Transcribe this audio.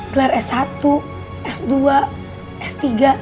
gelar s satu s dua s tiga